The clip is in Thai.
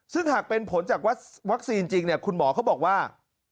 ซึ่งหากเป็นผลจากวัคซีนจริงคุณหมอเขาบอกว่า